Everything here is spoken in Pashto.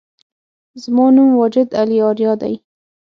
زما نوم واجد علي آریا دی